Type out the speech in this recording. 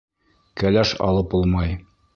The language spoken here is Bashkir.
Кәләш алып булмай.